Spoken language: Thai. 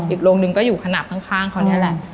โรงหนึ่งก็อยู่ขนาดข้างเขานี่แหละ